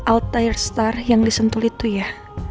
out tire star yang disentuh itu ya